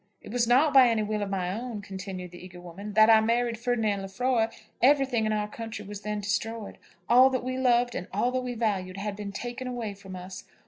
"It was not by any will of my own," continued the eager woman, "that I married Ferdinand Lefroy. Everything in our country was then destroyed. All that we loved and all that we valued had been taken away from us.